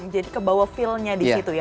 jadi kebawa feelnya disitu ya